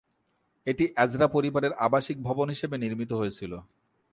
এটি এজরা পরিবারের আবাসিক ভবন হিসাবে নির্মিত হয়েছিল।